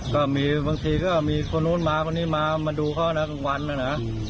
ก็มีบางทีก็มีคนโน้นมาคนนี้มามาดูเขาแล้วกันกันวัน